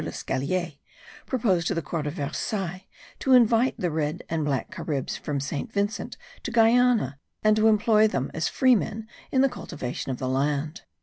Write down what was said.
Lescallier, proposed to the Court of Versailles to invite the Red and Black Caribs from St. Vincent to Guiana and to employ them as free men in the cultivation of the land.